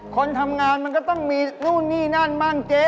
คนทำงานมันก็ต้องมีนู่นนี่นั่นบ้างเจ๊